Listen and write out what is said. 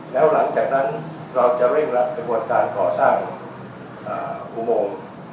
แล้วหลังจากนั้นเราจะเร่งรัดกระบวนการก่อสร้างอุโมง